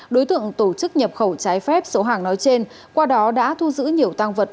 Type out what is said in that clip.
đối tượng tổ chức nhập khẩu trái phép số hàng nói trên qua đó đã thu giữ nhiều tăng vật